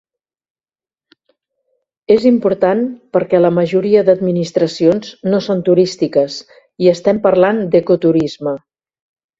És important perquè la majoria d'administracions no són turístiques i estem parlant d'ecoturisme.